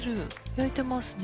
焼いてますね。